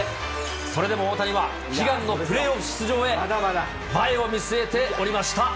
それでも大谷は、悲願のプレーオフ出場へ前を見据えておりました。